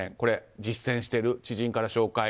実践してる、知人から紹介